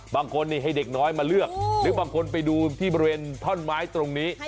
บางคนนี่ให้เด็กน้อยมาเลือกหรือบางคนไปดูที่บริเวณท่อนไม้ตรงนี้